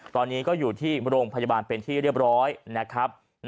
ตอนนี้ก็อยู่ที่โรงพยาบาลเป็นที่เรียบร้อยนะครับ